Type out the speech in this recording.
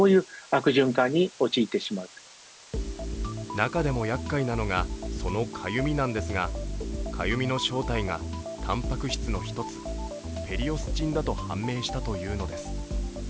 中でもやっかいなのが、そのかゆみなんですがかゆみの正体がたんぱく質の一つペリオスチンだと判明したというのです。